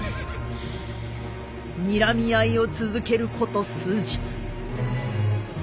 にらみ合いを続けること数日。